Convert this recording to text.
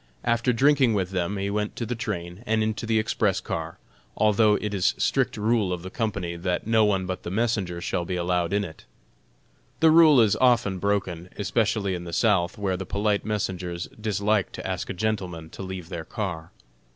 After drinking with them he went to the train and into the express car, although it is strict rule of the company that no one but the messenger shall be allowed in it. The rule is often broken, especially in the South, where the polite messengers dislike to ask a gentleman to leave their car.